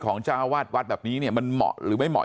ของจ้าวาสวัดแบบนี้มันเหมาะหรือไม่เหมาะ